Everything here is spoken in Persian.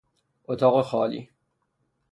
اتاق خالی